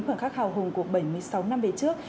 khoảnh khắc hào hùng của bảy mươi sáu năm về trước